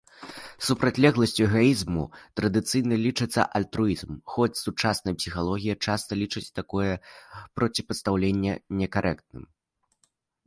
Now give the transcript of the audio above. Супрацьлегласцю эгаізму традыцыйна лічыцца альтруізм, хоць сучасная псіхалогія часта лічыць такое проціпастаўленне некарэктным.